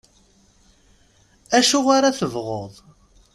Acu ara tebɣuḍ?